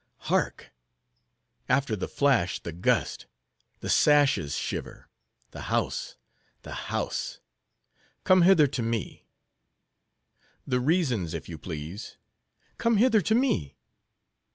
"Hark!—after the flash the gust—the sashes shiver—the house, the house!—Come hither to me!" "The reasons, if you please." "Come hither to me!"